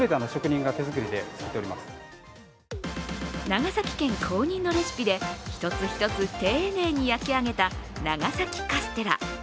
長崎県公認のレシピで一つ一つ丁寧に焼き上げた長崎カステラ。